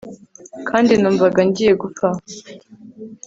Kandi numvaga ngiye gupfa